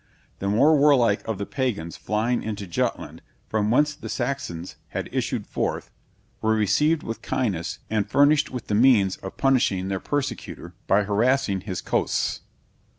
The more warlike of the Pagans flying into Jutland, from whence the Saxons had issued forth, were received with kindness, and furnished with the means of punishing their persecutor, by harassing his coasts.